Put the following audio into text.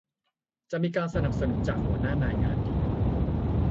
จะมีการสนับสนุนจากหัวหน้านายงานดี